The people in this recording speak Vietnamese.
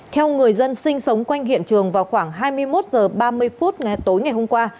theo người dân sinh sống quanh hiện trường vào khoảng hai mươi một h ba mươi phút ngày tối ngày hôm qua